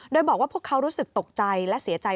โดยบอกว่าพวกเขารู้สึกตกใจและเสียใจ